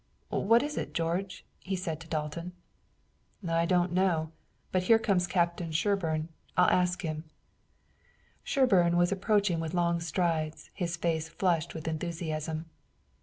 "What is it, George?" he said to Dalton. "I don't know, but here comes Captain Sherburne, and I'll ask him." Sherburne was approaching with long strides, his face flushed with enthusiasm.